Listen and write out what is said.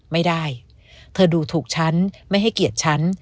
ไม่ได้เธอดูถูกฉันไม่ให้เกียรติฉัน